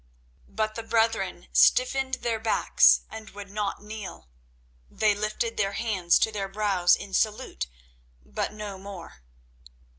But the brethren stiffened their backs and would not kneel. They lifted their hands to their brows in salute, but no more.